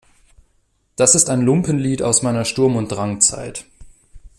Das ist ein Lumpenlied aus meiner Sturm- und Drangzeit.